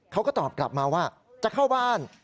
เขาก็ตอบกลับมาว่าจะเข้าบ้าน